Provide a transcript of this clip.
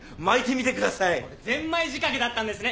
これゼンマイ仕掛けだったんですね。